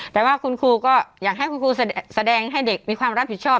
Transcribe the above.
แต่ว่าคุณครูก็อยากให้คุณครูแสดงให้เด็กมีความรับผิดชอบ